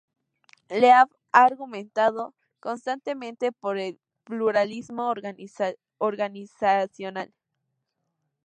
Leaf ha argumentado constantemente por el pluralismo organizacional.